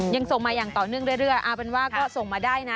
ยังส่งมาอย่างต่อเนื่องเรื่อยเอาเป็นว่าก็ส่งมาได้นะ